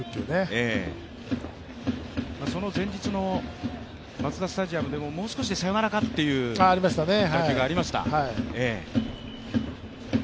その前日のマツダスタジアムでももう少しでサヨナラかっていう打球がありました。